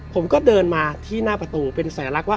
ผมก็เดินมาที่หน้าประตูเป็นสัญลักษณ์ว่า